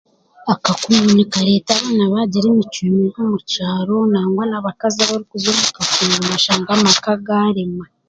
Akakungu nikareeta abaana baagira emicwe mibi omu kyaro nangwa n'abakazi abarikuza omu kakungu n'oshanga n'amaka gaarema